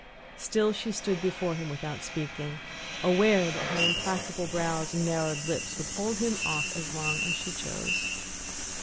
Still she stood before him without speaking, aware that her implacable brows and narrowed lips would hold him off as long as she chose.